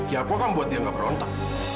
ya kok kamu buat dia gak berontak